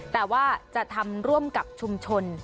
แต่ว่าจะทำร่วมกับชุมชน